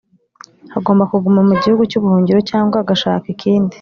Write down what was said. Agomba kuguma mu gihugu cy’ubuhungiro cyanga agashaka ikindi